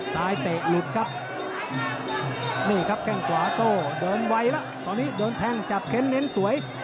เตะหลุดครับนี่ครับแข้งขวาโต้เดินไวแล้วตอนนี้โดนแท่งจับเค้นเน้นสวย